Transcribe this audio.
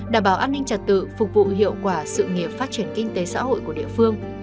đảm bảo an ninh trật tự phục vụ hiệu quả sự nghiệp phát triển kinh tế xã hội của địa phương